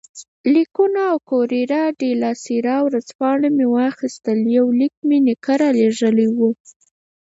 لیکونه او کوریره ډیلا سیرا ورځپاڼه مې واخیستل، یو لیک مې نیکه رالېږلی وو.